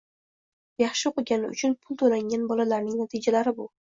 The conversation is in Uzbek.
yaxshi o‘qigani uchun pul to‘langan bolalarning natijalari bu.